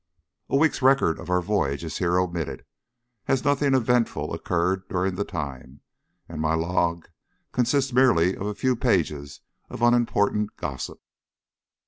A week's record of our voyage is here omitted, as nothing eventful occurred during the time, and my log consists merely of a few pages of unimportant gossip.